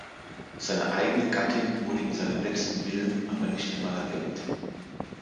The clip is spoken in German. Seine eigene Gattin wurde in seinem Letzten Willen aber nicht einmal erwähnt.